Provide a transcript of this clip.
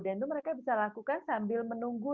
itu mereka bisa lakukan sambil menunggu